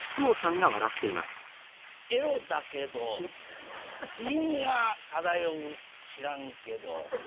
エロだけど気品が漂う知らんけど。